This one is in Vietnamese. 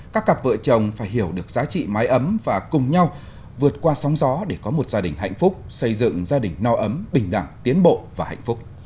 các cặp vợ chồng phải hiểu được giá trị mái ấm và cùng nhau vượt qua sóng gió để có một gia đình hạnh phúc xây dựng gia đình no ấm bình đẳng tiến bộ và hạnh phúc